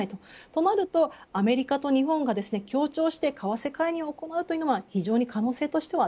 そうなるとアメリカと日本が協調して為替介入を行うのは可能性としては